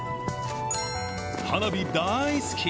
花火、大好き！